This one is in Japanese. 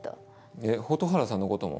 えっ蛍原さんのことも？